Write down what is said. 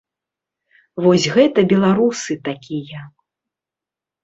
Вось гэта беларусы такія.